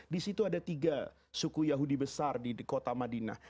disitu ada tiga suku yahudi besar di kota madinah